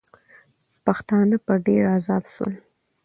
پښتانه په ډېر عذاب سول.